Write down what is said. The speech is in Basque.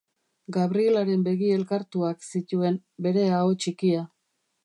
Gabrielaren begi elkartuak zituen, bere aho txikia.